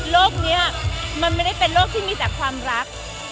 โรคนี้มันไม่ได้เป็นโรคที่มีแต่ความรัก